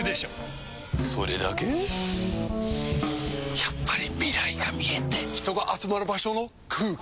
やっぱり未来が見えて人が集まる場所の空気！